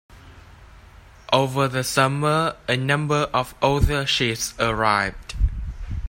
Over the summer a number of other ships arrived.